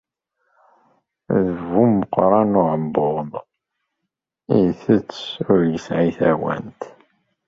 D bu umeqqran n uɛebbuḍ, itett ur yesɛi tawant.